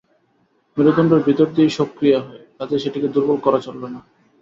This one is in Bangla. মেরুদণ্ডের ভেতর দিয়েই সব ক্রিয়া হয়, কাজেই সেটিকে দুর্বল করা চলবে না।